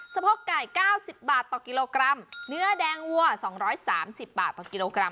สะพอกไก่เก้าสิบบาทต่อกิโลกรัมเนื้อแดงวัวสองร้อยสามสิบบาทต่อกิโลกรัม